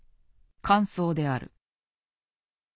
感想である。